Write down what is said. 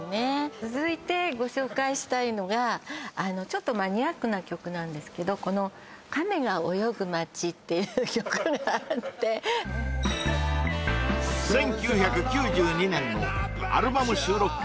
続いてご紹介したいのがちょっとマニアックな曲なんですけどこの「亀が泳ぐ街」っていう曲があって１９９２年のアルバム収録曲